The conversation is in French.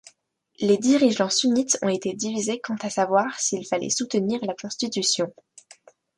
Les dirigeants sunnites ont été divisés quant à savoir s'il fallait soutenir la constitution.